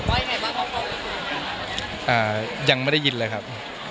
อ่ายังไม่ได้ยินเลยครับ